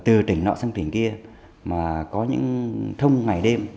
từ tỉnh nọ sang tỉnh kia mà có những thông ngày đêm